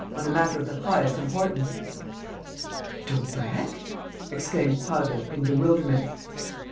. on a matter of the highest importance." "Daubrecq!" exclaimed Prasville, in bewilderment.